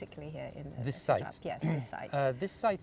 ketika di kampung presiden